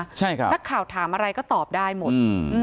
รักข่าวถามอะไรก็ตอบได้หมด